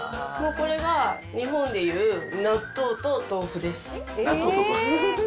これが日本でいう納豆と豆腐です。